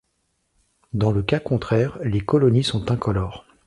Dans le cas contraire, les colonies sont incolores.